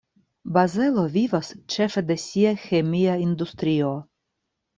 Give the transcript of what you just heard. Bazelo vivas ĉefe de sia ĥemia industrio.